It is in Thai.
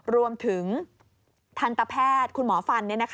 รวมถึงทันตแพทย์คุณหมอฟัน